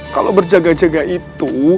kalau berjaga jaga itu